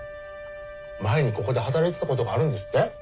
前にここで働いてたことがあるんですって？